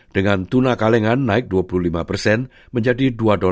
dengan tuna kalengan naik dua puluh lima persen menjadi dua